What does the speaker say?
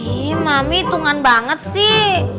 ih mami itungan banget sih